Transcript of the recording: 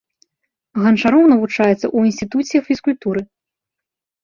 Ганчароў навучаецца ў інстытуце фізкультуры.